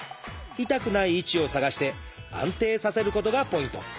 痛くない位置を探して安定させることがポイント。